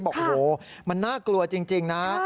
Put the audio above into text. บอกโอ้โหมันน่ากลัวจริงนะ